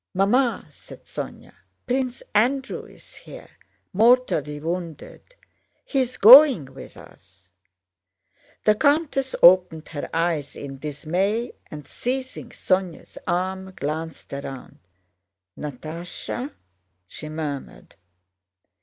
"Mamma," said Sónya, "Prince Andrew is here, mortally wounded. He is going with us." The countess opened her eyes in dismay and, seizing Sónya's arm, glanced around. "Natásha?" she murmured.